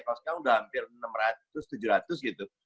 kalau sekarang udah hampir enam ratus tujuh ratus gitu